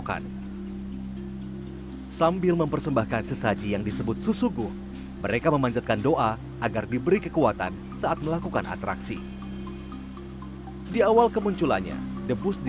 kami akan mencari penyelesaian dari desa ini